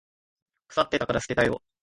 腐ってたから捨てたよ。